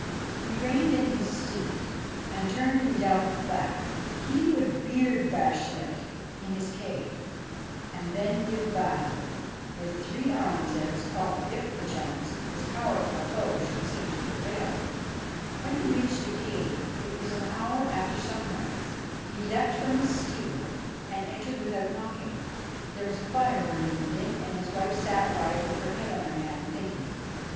He reined in his steed, and turned and galloped back. He would beard Bashtchelik in his cave, and then give battle, with three armies at his call, if, perchance, this powerful foe should seem to prevail. When he reached the cave it was an hour after sunrise. He leapt from his steed and entered without knocking. There was a fire burning within, and his wife sat by it with her head on her hand, thinking.